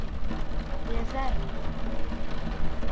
بێزارم لێت.